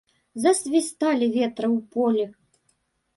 Засвісталі ветры ў полі!